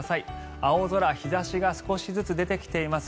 青空、日差しが少しずつ出てきています。